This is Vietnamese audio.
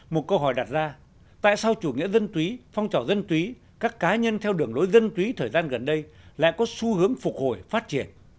một câu hỏi đặt ra tại sao chủ nghĩa dân túy phong trào dân túy các cá nhân theo đường lối dân túy thời gian gần đây lại có xu hướng phục hồi phát triển